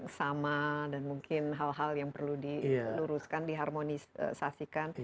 mungkin hal hal yang sama dan mungkin hal hal yang perlu diluruskan diharmonisasikan